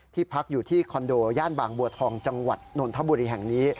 พักอยู่ที่คอนโดย่านบางบัวทองจังหวัดนนทบุรีแห่งนี้